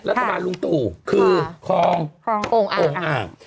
รัฐบาลลุงตู่คือคลององอ่าง